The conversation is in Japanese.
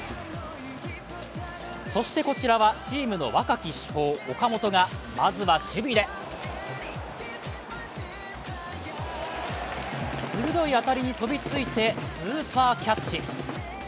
そして、こちらはチームの若き主砲岡本がまずは守備で鋭い当たりを飛びついてスーパーキャッチ。